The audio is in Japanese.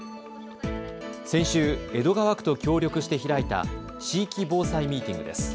先週、江戸川区と協力して開いた地域防災ミーティングです。